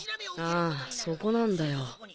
あぁそこなんだよ。